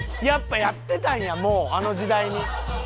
やっぱやってたんやもうあの時代に。